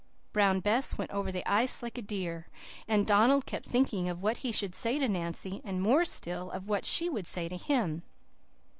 "Brown Bess went over the ice like a deer, and Donald kept thinking of what he should say to Nancy and more still of what she would say to him.